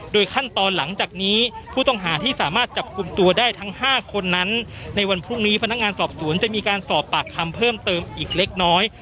ขั้นตอนหลังจากนี้ผู้ต้องหาที่สามารถจับกลุ่มตัวได้ทั้ง๕คนนั้นในวันพรุ่งนี้พนักงานสอบสวนจะมีการสอบปากคำเพิ่มเติมอีกเล็กน้อย